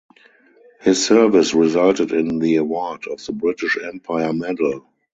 His service resulted in the award of the British Empire Medal.